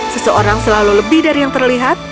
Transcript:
seseorang selalu lebih dari yang terlihat